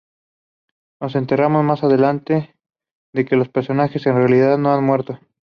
Nos enteramos más adelante de que el personaje en realidad no ha muerto.